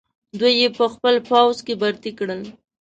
دوی یې په خپل پوځ کې برتۍ کړل.